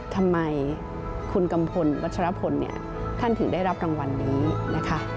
ทำไมคุณกัมพลวัชรพลเนี่ยท่านถึงได้รับรางวัลนี้นะคะ